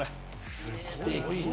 すてきな。